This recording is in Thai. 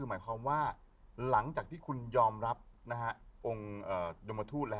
คือหมายความว่าหลังจากที่คุณยอมรับองค์ดมทูตแล้ว